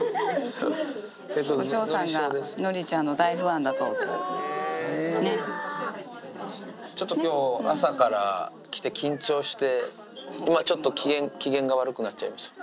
お嬢さんがのりちゃんの大フちょっときょう、朝から来て緊張して、今、ちょっと機嫌が悪くなっちゃいました。